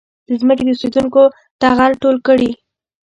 د ځمکې د اوسېدونکو ټغر ټول کړي.